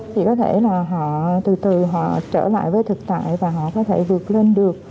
thì có thể là họ từ từ họ trở lại với thực tại và họ có thể vượt lên được